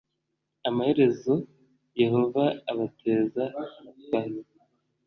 amaherezo yehova abateza abatware